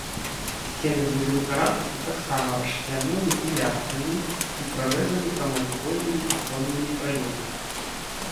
Сцены будынка ратушы таксама расчлянёны пілястрамі і прарэзаны прамавугольнымі аконнымі праёмамі.